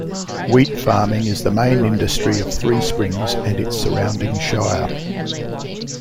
Wheat farming is the main industry of Three Springs and its surrounding Shire.